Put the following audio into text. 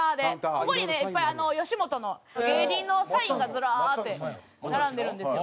ここにねいっぱい吉本の芸人のサインがズラッて並んでるんですよ。